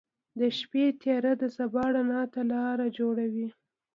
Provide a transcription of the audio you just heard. • د شپې تیاره د سبا رڼا ته لاره جوړوي.